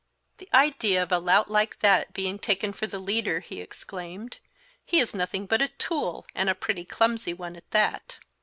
"The idea of a lout like that being taken for the leader!" he exclaimed. "He is nothing but a tool, and a pretty clumsy one at that."